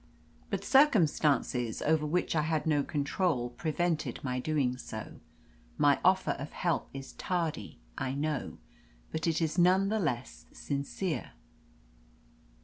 But circumstances, over which I had no control, prevented my doing so. My offer of help is tardy, I know, but it is none the less sincere."